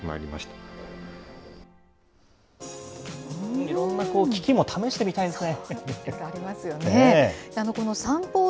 いろんな機器も試してみたいですね。